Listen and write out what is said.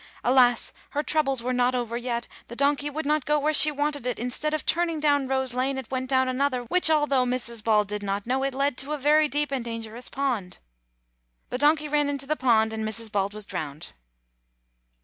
.. Alas! her troubles were not over yet, the donky would not go where she wanted it, instead of turning down Rose Lane it went down another, which although Mrs. Bald did not know it led to a very deep and dangerous pond. The donky ran into the pond and Mrs. Bald was dround."